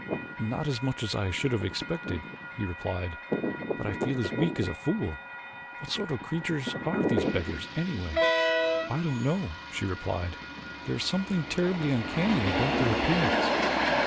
"Not as much as I should have expected," he replied, "but I feel as weak as a fool. What sort of creatures are these beggars, anyway?" "I don't know," she replied, "there is something terribly uncanny about their appearance."